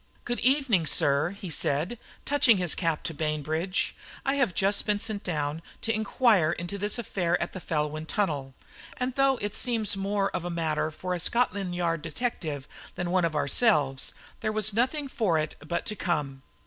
"Good evening, sir," he said, touching his cap to Bainbridge; "I have just been sent down to inquire into this affair at the Felwyn Tunnel, and though it seems more of a matter for a Scotland Yard detective than one of ourselves, there was nothing for it but to come.